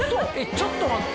ちょっと待って。